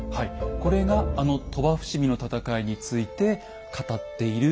これがあの鳥羽伏見の戦いについて語っている記述なんですよ。